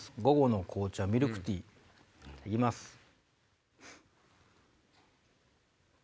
午後の紅茶ミルクティー行きます。